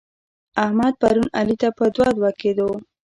احمد؛ پرون علي ته په دوه دوه کېدو.